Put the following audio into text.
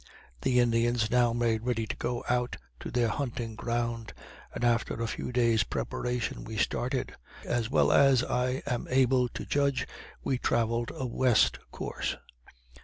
The Indians now made ready to go out to their hunting ground; and after a few days' preparation we started. As well as I am able to judge, we travelled a west course.